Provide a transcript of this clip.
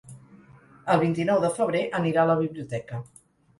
El vint-i-nou de febrer anirà a la biblioteca.